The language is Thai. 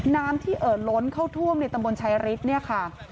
น้ำที่เอ่อล้นเข้าท่วมในตำบลชายฤทธิ์เนี่ยค่ะ